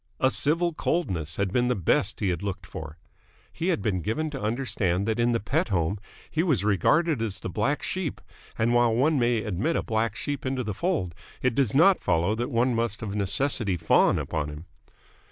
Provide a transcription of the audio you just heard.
A civil coldness had been the best he had looked for. He had been given to understand that in the Pett home he was regarded as the black sheep: and, while one may admit a black sheep into the fold, it does not follow that one must of necessity fawn upon him.